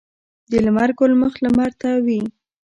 د لمر ګل مخ لمر ته وي